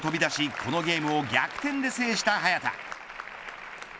このゲームを逆転で制した早田。